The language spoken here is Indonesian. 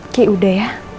oke udah ya